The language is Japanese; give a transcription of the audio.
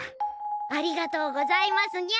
ありがとうございますにゃ。